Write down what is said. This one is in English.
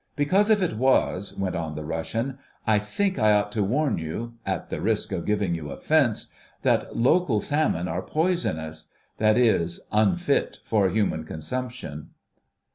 "Because if it was," went on the Russian, "I think I ought to warn you—at the risk of giving you offence—that local salmon are poisonous. That is, unfit for human consumption."